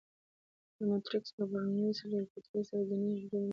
له مونټریکس او برنویس ریل پټلۍ سره ګڼې ژمنۍ لوبې کېږي.